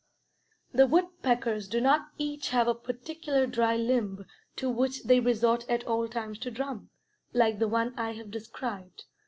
The woodpeckers do not each have a particular dry limb to which they resort at all times to drum, like the one I have described.